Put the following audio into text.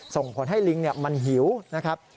ส่งผลให้ลิงมันหิวนะครับ